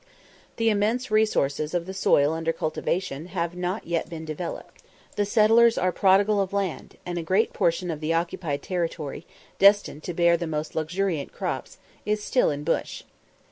The immense resources of the soil under cultivation have not yet been developed; the settlers are prodigal of land, and a great portion of the occupied territory, destined to bear the most luxuriant crops, is still in bush.